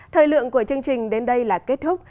thời lượng của chương trình đến đây là kết thúc